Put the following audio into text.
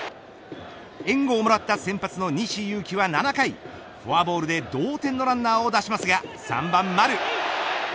援護をもらった先発の西勇輝は７回フォアボールで同点のランナーを出しますが３番、丸。